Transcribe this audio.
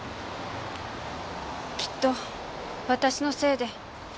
きっと私のせいで。